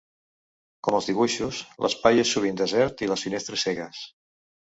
Com als dibuixos, l'espai és sovint desert i les finestres cegues.